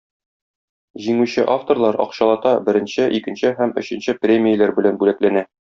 Җиңүче авторлар акчалата беренче, икенче һәм өченче премияләр белән бүләкләнә.